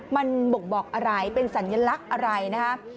มันบ่งบอกอะไรเป็นสัญลักษณ์อะไรนะคะ